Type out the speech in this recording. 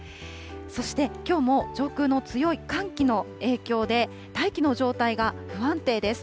そして、きょうも上空の強い寒気の影響で、大気の状態が不安定です。